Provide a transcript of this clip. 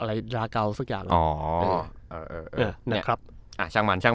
อะไรดราเกาซักอย่าง